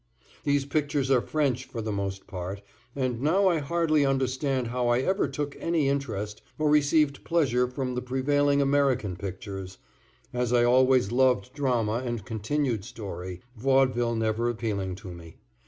These pictures are French for the most part, and now I hardly understand how I ever took any interest or received pleasure from the prevailing American pictures, as I always loved drama and continued story, vaudeville never appealing to me.